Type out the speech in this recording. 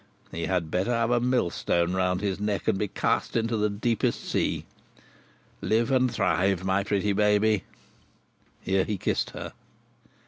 He had better have a millstone round his neck, and be cast into the deepest sea. Live and thrive, my pretty baby!" Here he kissed her.